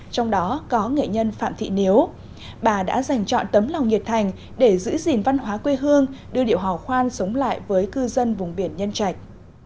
trong đó có nghệ nhân phạm thị niếu bà đã dành chọn tấm lòng nhiệt thành để giữ gìn văn hóa quê hương đưa điệu điệu hò khoan sống lại với cư dân vùng biển nhân trạch